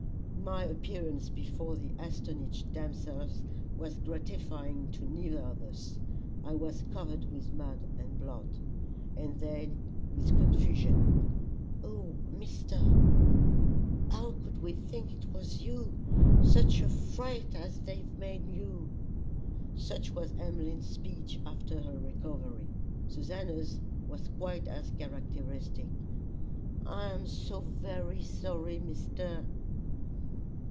My appearance before the astonished damsels was gratifying to neither of us. I was covered with mud and blood, and they with confusion. "Oh! Mr. , how could we think it was you, such a fright as they've made you." Such was Miss Emmeline's speech after her recovery. Susannah's was quite as characteristic. "I am so very sorry, Mr.